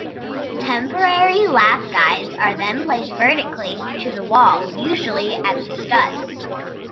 Temporary lath guides are then placed vertically to the wall, usually at the studs.